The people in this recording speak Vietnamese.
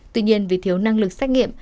tuy nhiên vì thiếu năng lực xét nghiệm